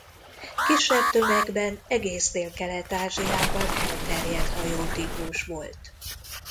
Kisebb tömegben egész Délkelet-Ázsiában elterjedt hajótípus volt.